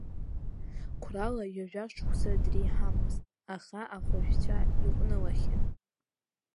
Қәрала ҩажәа шықәса дреиҳамызт, аха ахәажәцәа иҟәнылахьан.